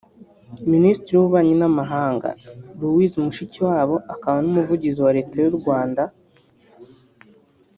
Minisitiri w’Ububanyi n’Amahanga Louise Mushikiwabo akaba n'Umuvugizi wa Leta y'u Rwanda